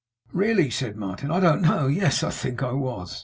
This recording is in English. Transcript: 'Really,' said Martin, 'I don't know. Yes. I think I was.